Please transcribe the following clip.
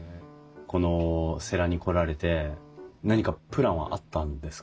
この世羅に来られて何かプランはあったんですか？